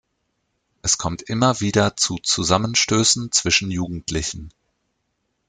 Es kommt immer wieder zu Zusammenstößen zwischen Jugendlichen.